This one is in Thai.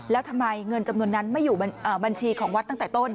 แล้วทำไมเงินจำนวนนั้นไม่อยู่บัญชีของวัดตั้งแต่ต้น